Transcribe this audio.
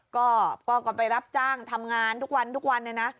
ก็ไปรับจ้างทำงานทุกวันเลยนะ